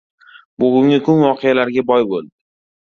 Bugungi kun voqealarga boy boʻldi.